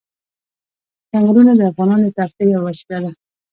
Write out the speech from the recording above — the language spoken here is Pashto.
چنګلونه د افغانانو د تفریح یوه وسیله ده.